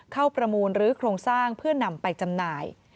ประมูลรื้อโครงสร้างเพื่อนำไปจำหน่าย